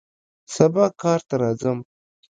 سبا کار ته راځم